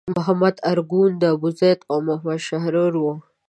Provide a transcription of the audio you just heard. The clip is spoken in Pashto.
محمد ارګون، ابوزید او محمد شحرور وو.